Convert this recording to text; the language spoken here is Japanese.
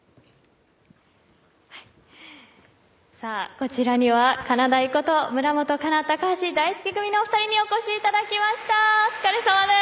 こちらには、かなだいこと村元哉中、高橋大輔組のお二人にお越しいただきましたお疲れさまです。